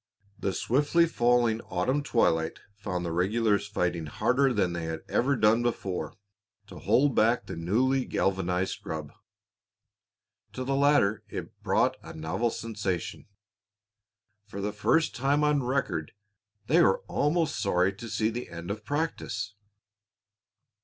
The swiftly falling autumn twilight found the regulars fighting harder than they had ever done before to hold back the newly galvanized scrub. To the latter it brought a novel sensation. For the first time on record they were almost sorry to see the end of practice.